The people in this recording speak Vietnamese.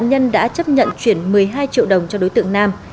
nhân đã chấp nhận chuyển một mươi hai triệu đồng cho đối tượng nam